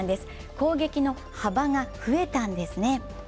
攻撃の幅が増えたんですね。